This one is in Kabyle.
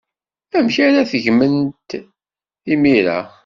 Amek ara tgemt imir-a?